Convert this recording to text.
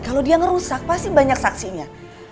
kalau dia ngerusak pasti banyak saksinya